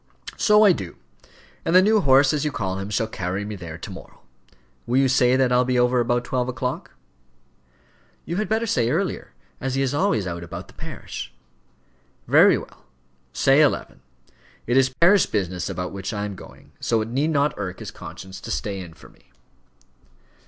"So I do; and the new horse, as you call him, shall carry me there to morrow. Will you say that I'll be over about twelve o'clock?" "You had better say earlier, as he is always out about the parish." "Very well, say eleven. It is parish business about which I am going, so it need not irk his conscience to stay in for me."